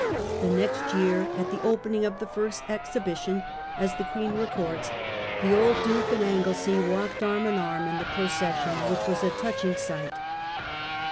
The next year, at the opening of the first Exhibition, as the Queen records, "the old Duke and Anglesey walked arm in arm in the procession, which was a touching sight."